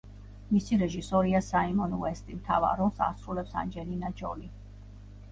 მისი რეჟისორია საიმონ უესტი, მთავარ როლს ასრულებს ანჯელინა ჯოლი.